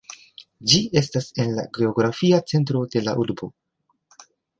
Ĝi estas en la geografia centro de la urbo.